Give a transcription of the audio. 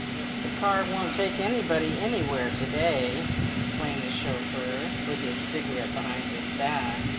"The car won't take anybody anywhere to day," explained the chauffeur, with his cigarette behind his back.